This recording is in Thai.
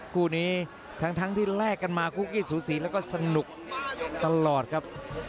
คู่นี้ทั้งที่แลกกันมากุ๊กกี้สูสีแล้วก็สนุกตลอดครับ